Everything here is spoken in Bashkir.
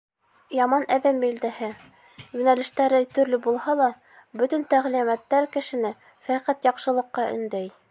Яман әҙәм билдәһе — Йүнәлештәре төрлө булһа ла, бөтөн тәғлимәттәр кешене фәҡәт яҡшылыҡҡа өндәй.